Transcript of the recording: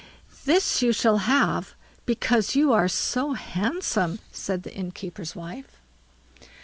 "This you shall have because you are so handsome," said the innkeeper's wife.